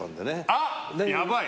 あ、やばい！